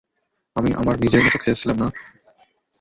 আমি আমার নিজের মতো খেলছিলাম না?